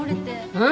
うん？